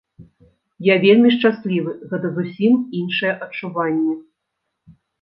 Я вельмі шчаслівы, гэта зусім іншыя адчуванні.